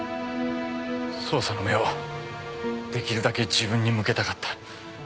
捜査の目をできるだけ自分に向けたかった。